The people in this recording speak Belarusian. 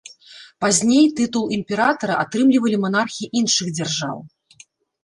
Пазней тытул імператара атрымлівалі манархі іншых дзяржаў.